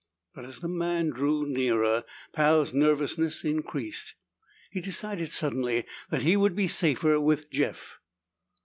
But as the man drew nearer, Pal's nervousness increased. He decided suddenly that he would be safer with Jeff.